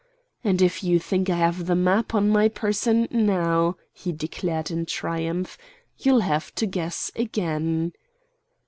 "And if you think I have the map on my person now," he declared in triumph, "you'll have to guess again!"